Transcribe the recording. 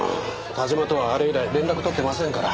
田島とはあれ以来連絡取ってませんから。